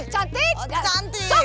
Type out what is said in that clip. cantik cantik cantik